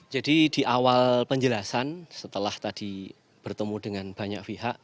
jadi di awal penjelasan setelah tadi bertemu dengan banyak pihak